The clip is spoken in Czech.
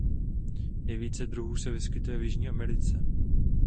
Nejvíce druhů se vyskytuje v Jižní Americe.